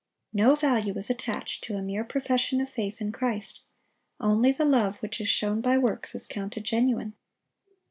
No value is attached to a mere profession of faith in Christ; only the love which is shown by works is counted genuine.